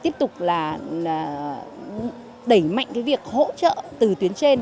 tiếp tục là đẩy mạnh cái việc hỗ trợ từ tuyến trên